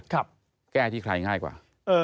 แก้ที่ใครง่ายกว่า